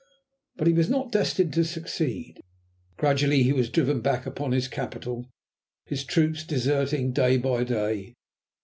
But he was not destined to succeed. Gradually he was driven back upon his Capital, his troops deserting day by day.